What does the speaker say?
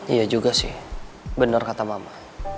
iya juga sih benar kata mama